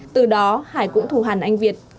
từ đó hải cũng thù hàn anh việt